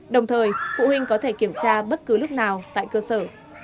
đồng thời phụ huynh có thể kiểm tra bất cứ lúc nào tại cơ sở